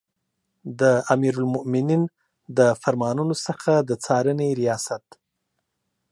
د امیرالمؤمنین د فرمانونو څخه د څارنې ریاست